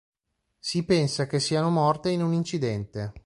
Si pensa che siano morte in un incidente.